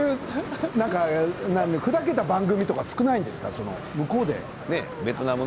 砕けた番組は少ないんですか？